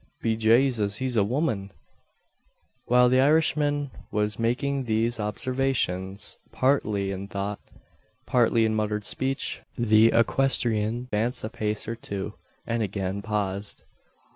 Be Jaysus, he's a woman!" While the Irishman was making these observations partly in thought, partly in muttered speech the equestrian advanced a pace or two, and again paused.